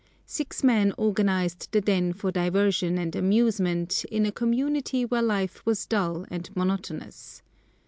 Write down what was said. Six men organized the den for diversion and amusement in a community where life was dull and monotonous.